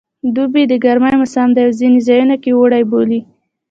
دوبی د ګرمي موسم دی او ځینې ځایو کې اوړی بولي